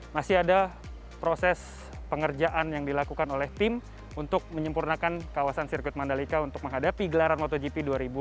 masih ada proses pengerjaan yang dilakukan oleh tim untuk menyempurnakan kawasan sirkuit mandalika untuk menghadapi gelaran motogp dua ribu dua puluh